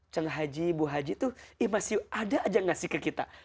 ceng haji bu haji tuh iya masih ada aja ngasih ke kita